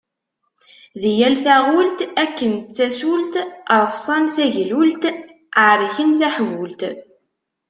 Di yal taɣult, akken d tasult, ṛeṣṣan taglult, ɛerken taḥbult.